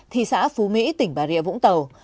thị xã phú mỹ tỉnh bản rịa vũng tàu